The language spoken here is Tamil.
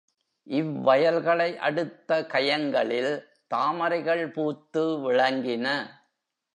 இவ்வயல்களை அடுத்த கயங்களில் தாமரைகள் பூத்து விளங்கின.